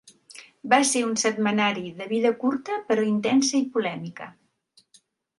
Va ser un setmanari de vida curta però intensa i polèmica.